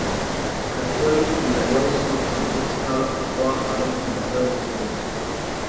که سل یا یو سلو پنځوس کاله پخوا حالت ته نظر وکړو.